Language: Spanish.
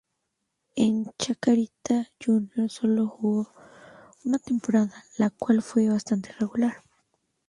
En Chacarita Juniors solo jugó una temporada la cual fue bastante regular.